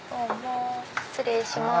失礼します。